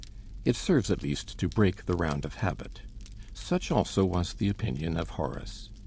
It serves at least to break the round of habit. Such also was the opinion of Horace.